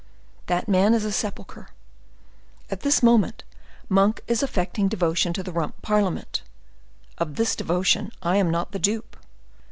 That man is a sepulcher! At this moment Monk is affecting devotion to the Rump Parliament; of this devotion, I am not the dupe.